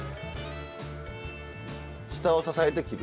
下を支えて切る。